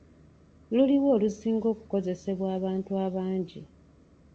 Luli wa olusinga okukozesebwa abantu abangi?